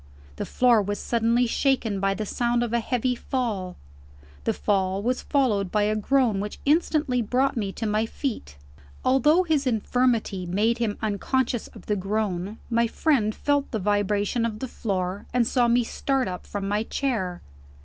The floor was suddenly shaken by the sound of a heavy fall. The fall was followed by a groan which instantly brought me to my feet. Although his infirmity made him unconscious of the groan, my friend felt the vibration of the floor, and saw me start up from my chair.